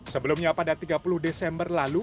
sebelumnya pada tiga puluh desember lalu